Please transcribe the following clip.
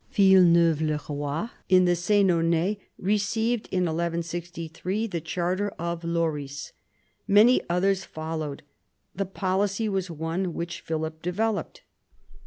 Ville neuve le roi in the Senonais received, in 1163, the charter of Lorris. Many others followed. The policy was one which Philip developed.